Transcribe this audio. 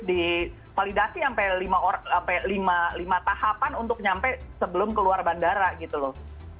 divalidasi sampai lima tahapan untuk nyampe sebelum keluar bandara gitu loh